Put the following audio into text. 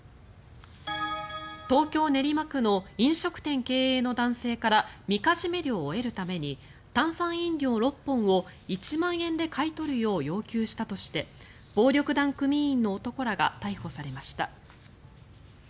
東京・練馬区の飲食店経営の男性からみかじめ料を得るために炭酸飲料６本を１万円で買い取るよう要求したとして暴力団組員の男らが逮捕されました。